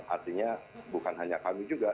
artinya bukan hanya kami juga